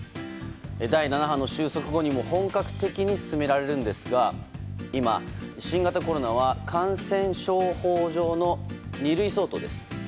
第７波の収束後にも本格的に進められるんですが今、新型コロナは感染症法上の二類相当です。